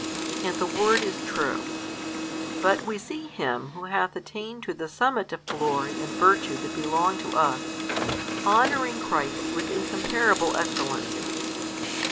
And the word is true: but we see him who hath attained to the summit of glory and virtue that belong to us, honouring Christ with incomparable excellencies.